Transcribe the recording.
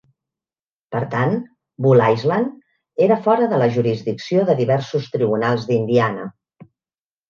Per tant, Bull Island era fora de la jurisdicció de diversos tribunals d'Indiana.